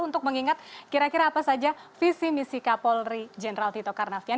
untuk mengingat kira kira apa saja visi misi kapolri jenderal tito karnavian